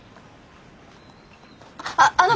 あっあの！